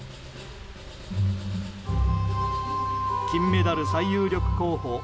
金メダル最有力候補